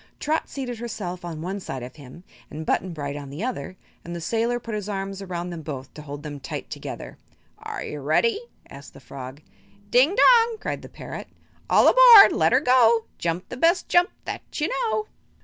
Trot seated herself on one side of him and Button Bright on the other, and the sailor put his arms around them both to hold them tight together. "Are you ready?" asked the frog. "Ding dong!" cried the parrot; "All aboard! let 'er go! Jump the best jump that you know."